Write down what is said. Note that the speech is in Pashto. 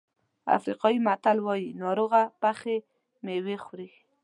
افریقایي متل وایي ناروغه پخې مېوې خوري.